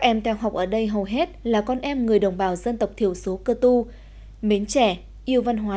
em theo học ở đây hầu hết là con em người đồng bào dân tộc thiểu số cơ tu mến trẻ yêu văn hóa